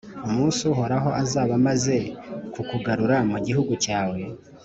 Umunsi Uhoraho azaba amaze kukugarura mu gihugu cyawe,